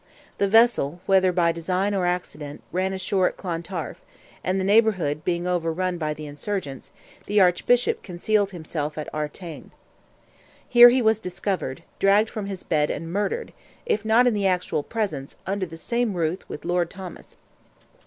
The vessel, whether by design or accident, ran ashore at Clontarf, and the neighbourhood being overrun by the insurgents, the Archbishop concealed himself at Artane. Here he was discovered, dragged from his bed, and murdered, if not in the actual presence, under the same roof with Lord Thomas.